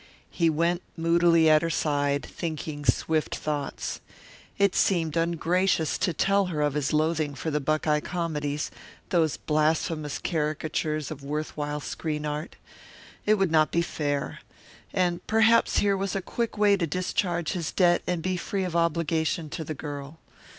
He went moodily at her side, thinking swift thoughts. It seemed ungracious to tell her of his loathing for the Buckeye comedies, those blasphemous caricatures of worth while screen art. It would not be fair. And perhaps here was a quick way to discharge his debt and be free of obligation to the girl.